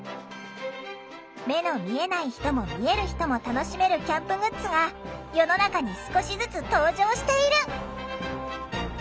目の見えない人も見える人も楽しめるキャンプグッズが世の中に少しずつ登場している！